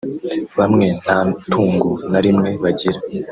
Bamwe nta tungo na rimwe bagiraga